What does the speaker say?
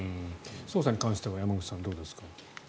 捜査に関しては山口さん、どうですか。